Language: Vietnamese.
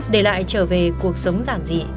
để lại trở về cuộc sống giản dị